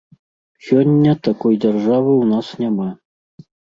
Сёння такой дзяржавы ў нас няма.